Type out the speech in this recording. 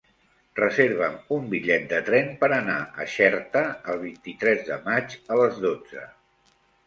Reserva'm un bitllet de tren per anar a Xerta el vint-i-tres de maig a les dotze.